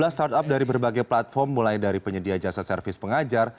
dua belas startup dari berbagai platform mulai dari penyedia jasa servis pengajar